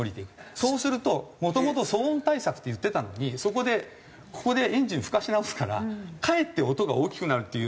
そうするともともと騒音対策って言ってたのにそこでここでエンジンふかし直すからかえって音が大きくなるっていう